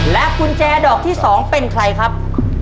กุญแจดอกที่๒เป็นใครครับ